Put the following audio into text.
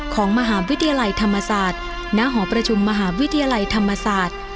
ของมหาวิทยาลัยธรรมศาสตร์ณหอประชุมมหาวิทยาลัยธรรมศาสตร์